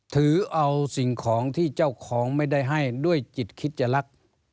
ถือเอาสิ่งของที่เจ้าของไม่ได้ให้ด้วยจิตคิดจะรัก